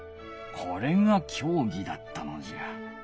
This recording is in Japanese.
これがきょうぎだったのじゃ。